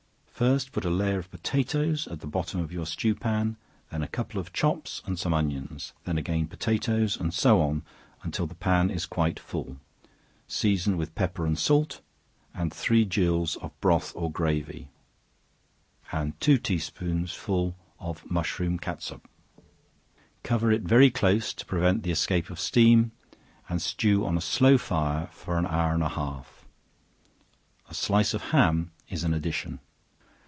First put a layer of potatoes at the bottom of your stew pan, then a couple of chops and some onions, then again potatoes, and so on till the pan is quite full; season with pepper and salt, and three gills of broth or gravy, and two tea spoonsful of mushroom catsup; cover it very close to prevent the escape of steam, and stew on a slow fire for an hour and a half; a slice of ham is an addition.